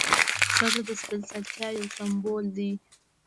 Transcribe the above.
ښځه د سپېڅلتیا یو سمبول ده.